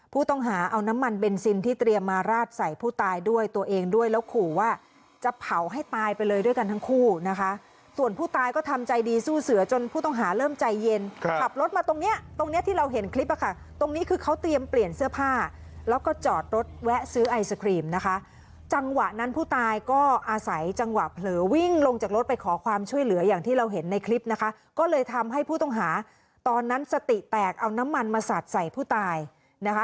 ผู้ต้องหาเอาน้ำมันเบนซินที่เตรียมมาราดใส่ผู้ตายด้วยตัวเองด้วยแล้วขอว่าจะเผาให้ตายไปเลยด้วยกันทั้งคู่นะคะส่วนผู้ตายก็ทำใจดีสู้เสือจนผู้ต้องหาเริ่มใจเย็นขับรถมาตรงเนี้ยตรงเนี้ยที่เราเห็นคลิปอ่ะค่ะตรงนี้คือเขาเตรียมเปลี่ยนเสื้อผ้าแล้วก็จอดรถแวะซื้อไอศครีมนะคะจังหวะนั้นผู้ตายก